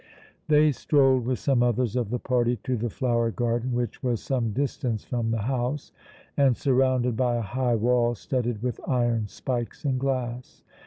They strolled with some others of the party to the flower garden, which was some distance from the house, and surrounded by a high wall studded with iron spikes and glass.